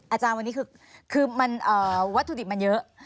อาจารย์วันนี้คือวัตถุดิบมันเยอะ